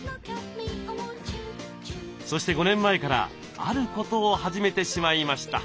そして５年前からあることを始めてしまいました。